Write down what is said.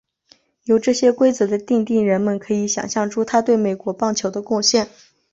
由这些规则的订定人们可以想像出他对美国棒球的贡献。